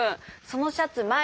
そのシャツま